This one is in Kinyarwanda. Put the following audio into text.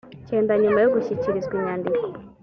cyenda nyuma yo gushyikirizwa inyandiko